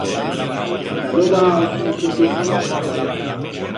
Enta dó va o sinyor centurión?